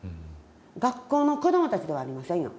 学校の子どもたちではありませんよ。